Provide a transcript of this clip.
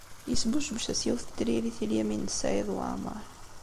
Yesbucbec-as yiwet n tririt i Lyamin n Saɛid Waɛmeṛ.